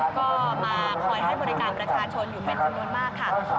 ก็มาคอยให้บริการประชาชนอยู่เป็นจำนวนมากค่ะ